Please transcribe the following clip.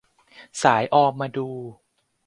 สายออมมาดู